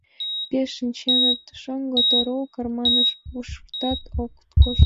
Пеш шинченыт — шоҥго Тору кармымат пушташ ок тошт.